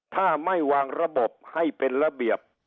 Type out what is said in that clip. ถ้าไม่วางระบบให้เป็นระเบียบ